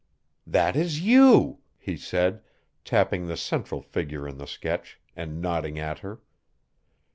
"That is YOU," he said, tapping the central figure in the sketch, and nodding at her.